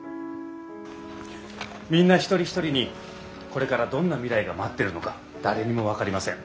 みんな一人一人にこれからどんな未来が待ってるのか誰にも分かりません。